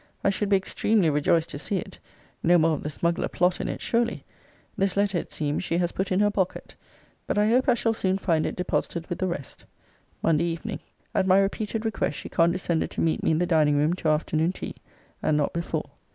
I should be extremely rejoiced to see it. No more of the smuggler plot in it, surely! This letter, it seems, she has put in her pocket. But I hope I shall soon find it deposited with the rest. MONDAY EVENING. At my repeated request she condescended to meet me in the dining room to afternoon tea, and not before.